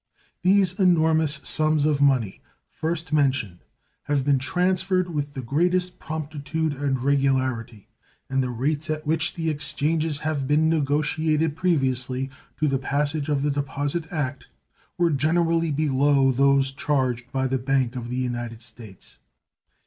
These enormous sums of money first mentioned have been transferred with the greatest promptitude and regularity, and the rates at which the exchanges have been negotiated previously to the passage of the deposit act were generally below those charged by the Bank of the United States.